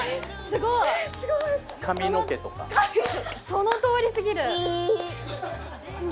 そのとおり過ぎる！